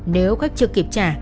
nếu khách chưa kịp trả